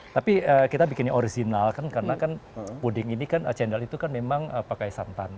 tapi kita bikinnya original kan karena kan puding ini kan cendal itu kan memang pakai santan